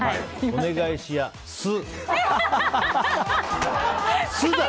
お願いしやす！